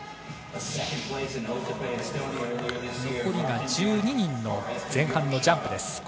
残りが１２人の前半のジャンプです。